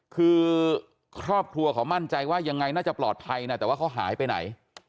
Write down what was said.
คือครอบครัวเขามั่นใจว่ายังไงน่าจะปลอดภัยนะแต่ว่าเขาหายไปไหน